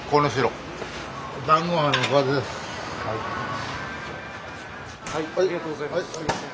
ありがとうございます。